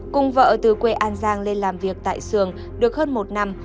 cùng vợ từ quê an giang lên làm việc tại sườn được hơn một năm